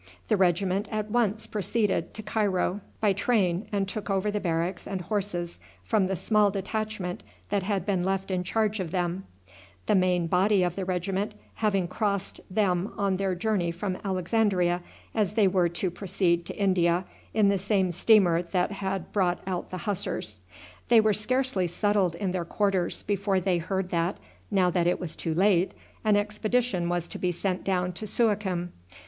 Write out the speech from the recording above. The regiment at once proceeded to Cairo by train and took over the barracks and horses from the small detachment that had been left in charge of them, the main body of the regiment having crossed them on their journey from Alexandria, as they were to proceed to India in the same steamer that had brought out the Hussars. They were scarcely settled in their quarters before they heard that, now that it was too late, an expedition was to be sent down to Suakim.